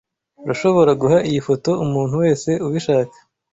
Urashobora guha iyi foto umuntu wese ubishaka.